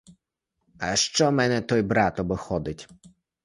А що мене той брат обходить?